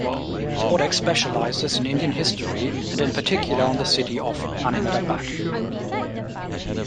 Spodek specializes in Indian history, and in particular on the city of Ahmedabad.